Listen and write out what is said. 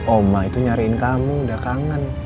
oma itu nyariin kamu udah kangen